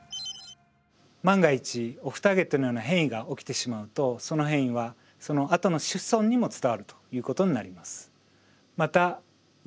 万が一オフターゲットのような変異が起きてしまうとその変異はそのあとの子孫にも伝わるということになります。